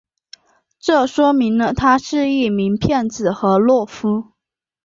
这说明了他是一名骗子和懦夫。